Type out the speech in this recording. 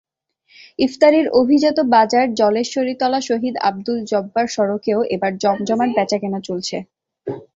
ইফতারির অভিজাত বাজার জলেশ্বরীতলা শহীদ আবদুল জোব্বার সড়কেও এবার জমজমাট বেচাকেনা চলছে।